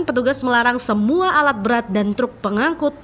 petugas melarang semua alat berat dan truk pengangkut